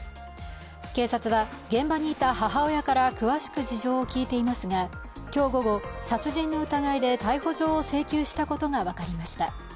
警察は、現場にいた母親から詳しく事情を聴いていますが、今日午後、殺人の疑いで逮捕状を請求したことが分かりました。